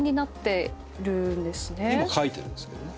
今書いてるんですけどね。